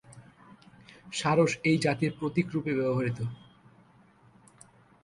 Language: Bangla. সারস এই জাতির প্রতীক রূপে ব্যবহৃত।